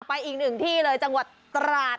อีกหนึ่งที่เลยจังหวัดตราด